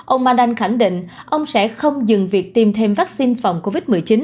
ông mandan khẳng định ông sẽ không dừng việc tiêm thêm vaccine phòng covid một mươi chín